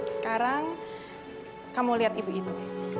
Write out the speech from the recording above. sekarang kamu lihat ibu itu